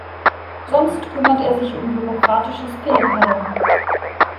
Sonst kümmert er sich um bürokratisches Pillepalle.